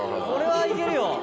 これはいけるよ。